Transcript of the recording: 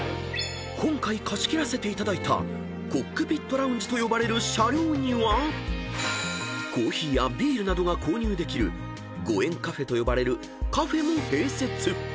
［今回貸し切らせていただいたコックピットラウンジと呼ばれる車両にはコーヒーやビールなどが購入できるＧＯＥＮＣＡＦＥと呼ばれるカフェも併設］